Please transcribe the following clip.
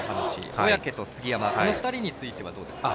小宅と杉山、この２人についてはどうですか？